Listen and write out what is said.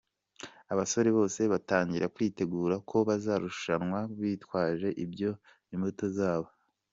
abasore bose batangira kwitegura uko bazarushanwa bitwaje ibyo imbuto zabo.